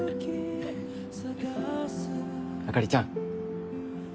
あかりちゃん